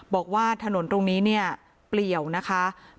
บอกว่าถนนตรงนี้เนี่ยเปรียวนะคะไม่มีไฟทรงสว่าง